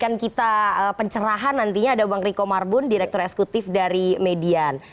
akan kita pencerahan nantinya ada bang riko marbun direktur eksekutif dari median